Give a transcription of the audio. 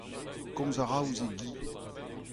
komz a ra ouzh e gi.